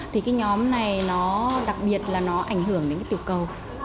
thì cái nhóm này nó đặc biệt là nó ảnh hưởng đến cái tiểu cầu